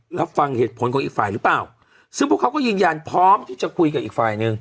รับฟังเหตุผลของอีกฝ่ายหรือเปล่าซึ่งพวกเขาก็ยืนยันพร้อมที่จะคุยกับอีกฝ่ายหนึ่ง